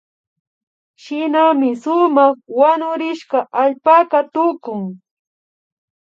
Shinami sumak wanurishka allpaka tukun